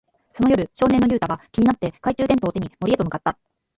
その夜、少年のユウタは気になって、懐中電灯を手に森へと向かった。